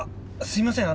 すいません